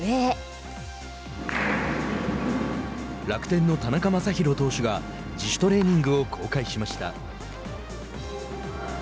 楽天の田中将大投手が自主トレーニングを公開しました。